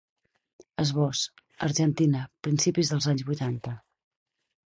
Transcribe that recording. Esbós: Argentina, principis dels anys vuitanta.